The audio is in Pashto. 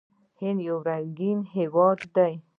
هند یو رنګین هیواد دی.